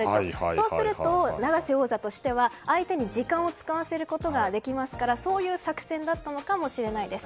そうすると永瀬王座としては相手に時間を使わせることができますから、そういう作戦だったのかもしれないです。